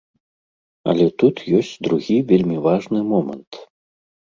Але тут ёсць другі вельмі важны момант.